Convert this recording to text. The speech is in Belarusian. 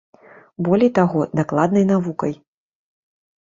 Болей таго, дакладнай навукай.